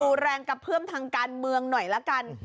แรงกระเพื่อมทางการเมืองหน่อยละกัน